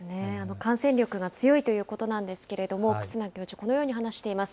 感染力が強いということなんですけれども、忽那教授、このように話しています。